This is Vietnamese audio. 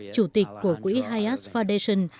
chủ tịch của quỹ hayas foundation